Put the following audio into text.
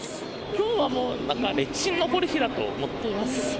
きょうはもう歴史に残る日だと思っています。